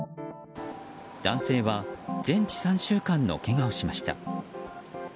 男性は全治３週間のけがをしました。